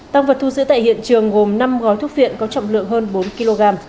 tăng vật thu giữ tại hiện trường gồm năm gói thuốc phiện có trọng lượng hơn bốn kg